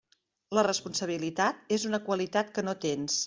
La responsabilitat és una qualitat que no tens.